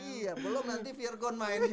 iya belum nanti virgon main